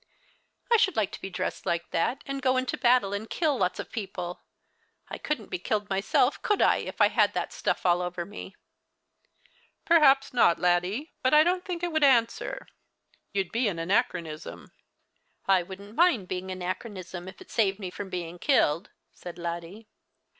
" I shoukl like to be dressed like that, and go into a battle and kill lots of people. I couldn't be killed myself, conld I, if I had that stuff all over me ?"." Perhaps not. Laddie ; but I don't think it would answer. You'd be an anachronism." " I wouldn't mind being a nackerism if it saved me from being killed," said Laddie.